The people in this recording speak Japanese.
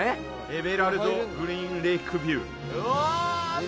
エメラルドグリーンレイクビュー。